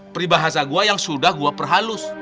peribahasa gue yang sudah gue perhalus